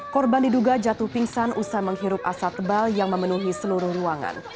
korban diduga jatuh pingsan usai menghirup asap tebal yang memenuhi seluruh ruangan